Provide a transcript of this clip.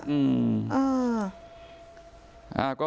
อืม